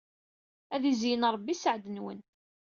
Ad izeyyen Ṛebbi sseɛd-nwen.